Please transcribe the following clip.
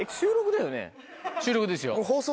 収録ですよ。